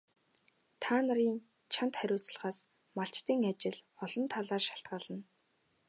Та нарын чанд хариуцлагаас малчдын ажил олон талаар шалтгаална.